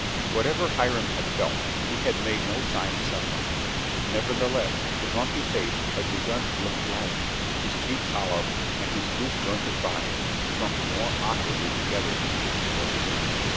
Whatever Hiram had felt, he had made no sign of suffering. Nevertheless, his lumpy face had begun to look flabby, his cheeks hollow, and his loose jointed body shrunk more awkwardly together into its clothes.